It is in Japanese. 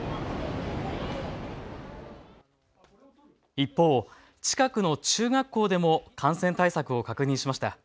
一方、近くの中学校でも感染対策を確認しました。